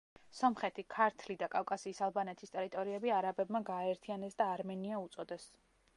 სომხეთი, ქართლი და კავკასიის ალბანეთის ტერიტორიები არაბებმა გააერთიანეს და „არმენია“ უწოდეს.